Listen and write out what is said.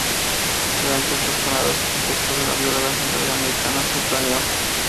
Durante estas jornadas, el texto de la "Biología Centrali-Americana" se planeó.